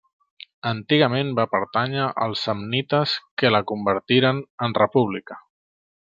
Antigament va pertànyer als Samnites que la convertiren en República.